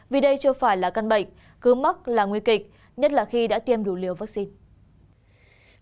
vì đây chưa phải là căn bệnh cứ mắc là nguy kịch nhất là khi đã tiêm đủ liều vaccine